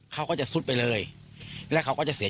คุณสังเงียมต้องตายแล้วคุณสังเงียม